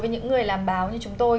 những người làm báo như chúng tôi